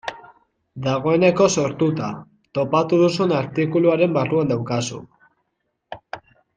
Dagoeneko sortuta topatu duzun artikuluaren barruan daukazu.